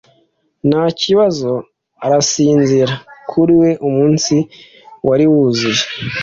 nta kibazo, arasinzira; kuri we umunsi wari wuzuye